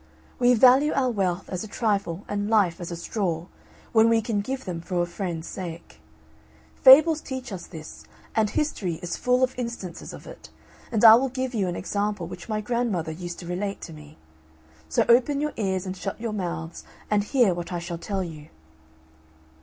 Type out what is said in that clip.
We value our wealth as a trifle and life as a straw, when we can give them for a friend's sake. Fables teach us this and history is full of instances of it; and I will give you an example which my grandmother used to relate to me. So open your ears and shut your mouths and hear what I shall tell you.